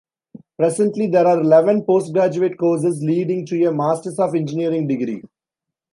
Presently there are eleven post-graduate courses leading to a Masters of Engineering degree.